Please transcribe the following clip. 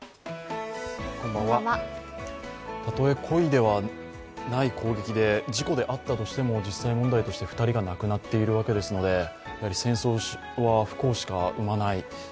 たとえ故意ではない攻撃で、事故であったとしても実際問題として２人が亡くなっているわけですので戦争は不幸しか生まない。